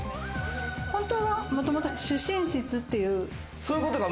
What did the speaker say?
本当は、もともと主寝室っていう。